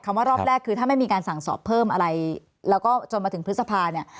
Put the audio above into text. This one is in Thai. ว่ารอบแรกคือถ้าไม่มีการสั่งสอบเพิ่มอะไรแล้วก็จนมาถึงพฤษภาเนี่ย